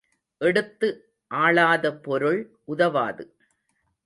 எடுத்து ஆளாத பொருள் உதவாது.